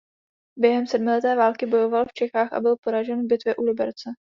Během sedmileté války bojoval v Čechách a byl poražen v Bitvě u Liberce.